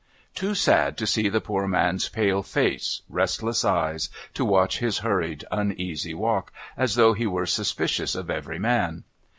Too sad to see the poor man's pale face, restless eyes, to watch his hurried, uneasy walk, as though he were suspicious of every man.